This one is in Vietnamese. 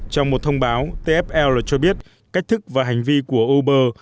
trong một thông báo tfl là cho biết cách thức và hành vi của uber